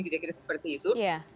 kira kira seperti itu